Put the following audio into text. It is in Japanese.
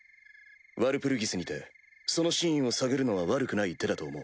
ワルプルギスにてその真意を探るのは悪くない手だと思う。